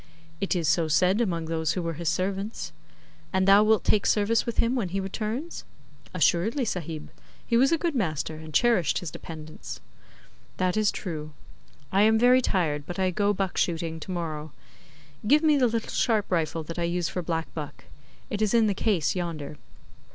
'It is so said among those who were his servants.' 'And thou wilt take service with him when he returns?' 'Assuredly, Sahib. He was a good master, and cherished his dependants.' 'That is true. I am very tired, but I go buck shooting to morrow. Give me the little sharp rifle that I use for black buck; it is in the case yonder.